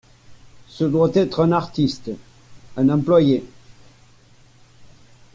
Ce doit être un artiste, un employé !